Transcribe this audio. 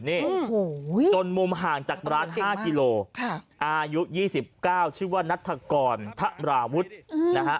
จนมุมห่างจากร้าน๕กิโลอายุ๒๙ชื่อว่านัฐกรทราวุฒิ